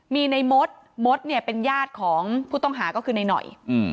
มีในมดมดเนี่ยเป็นญาติของผู้ต้องหาก็คือในหน่อย